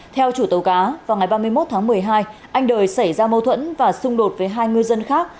theo chủ tàu cá vào ngày ba mươi một tháng một mươi hai anh đời xảy ra mâu thuẫn và xung đột với hai ngư dân khác